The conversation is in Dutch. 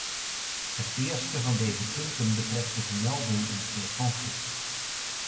Het eerste van deze punten betreft de vermelding in de telefoongidsen.